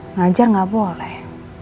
ngajar nggak boleh